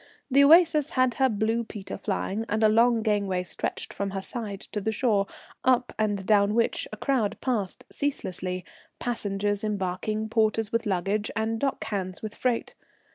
The Oasis had her blue peter flying, and a long gangway stretched from her side to the shore, up and down which a crowd passed ceaselessly, passengers embarking, porters with luggage, and dock hands with freight.